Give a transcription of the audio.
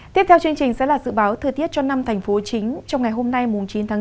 tiếp theo chương trình sẽ là dự báo thời tiết cho năm thành phố chính trong ngày hôm nay chín tháng bốn